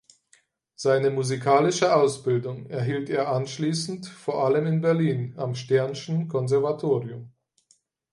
Seine musikalische Ausbildung erhielt er anschließend vor allem in Berlin am Stern’schen Konservatorium.